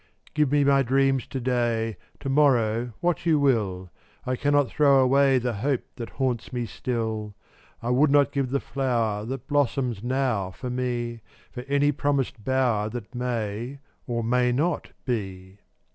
407 Give me my dreams to day, To morrow what you will; I cannot throw away The hope that haunts me still. I would not give the flower That blossoms now for me, For any promised bower That may, or may not, be.